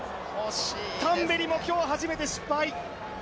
タンベリも今日初めて失敗。